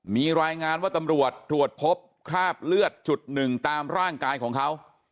มีรายงานว่าตำรวจตรวจพบคราบเลือดจุดหนึ่งตามร่างกายของเขา